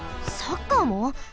サッカーも！？